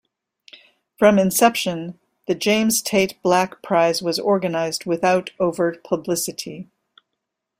From inception, the James Tait Black prize was organised without overt publicity.